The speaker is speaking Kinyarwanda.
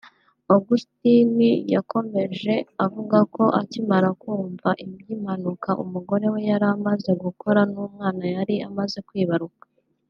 Augustin yakomeje avuga ko akimara kumva iby’impanuka umugore we yari amaze gukora n’umwana yari amaze kwibaruka